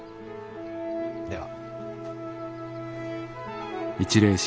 では。